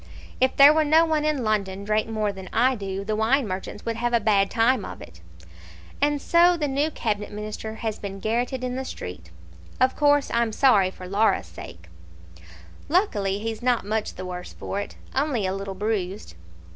"If there were no one in London drank more than I do, the wine merchants would have a bad time of it. And so the new Cabinet Minister has been garrotted in the street. Of course I'm sorry for poor Laura's sake." "Luckily he's not much the worse for it; only a little bruised."